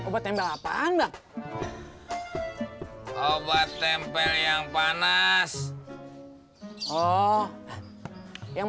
yang berapa derajat